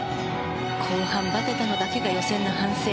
後半ばてたのだけが予選の反省。